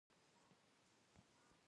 زه د خپلې کورنۍ د غړو سره مینه لرم.